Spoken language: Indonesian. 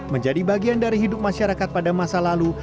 menjadi bagian dari hidup masyarakat pada masa lalu